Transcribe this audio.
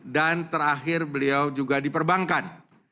dan terakhir beliau juga di perbankan